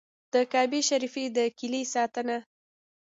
د کعبې شریفې د کیلي ساتنه.